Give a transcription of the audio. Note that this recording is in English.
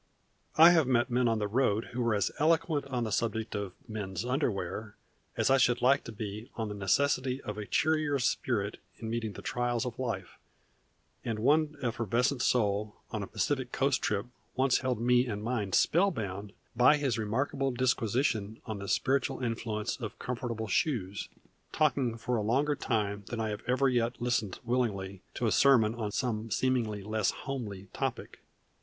I have met men on the road who were as eloquent on the subject of men's underwear as I should like to be on the necessity of a cheerier spirit in meeting the trials of life, and one effervescent soul on a Pacific Coast trip once held me and mine spell bound by his remarkable disquisition on the spiritual influence of comfortable shoes, talking for a longer time than I have ever yet listened willingly to a sermon on some seemingly less homely topic.